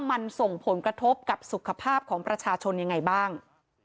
มันส่งผลกระทบกับสุขภาพของประชาชนยังไงบ้าง